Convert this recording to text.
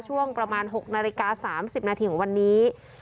ช่วงประมาณหกนาฬิกาสามสิบนาทีของวันนี้